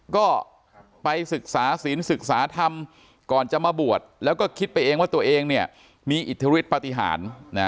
ก็ไปศึกษาศีลศึกษาธรรมก่อนจะมาบวชแล้วก็คิดไปเองว่าตัวเองมีอิทธิฤทธปฏิหาร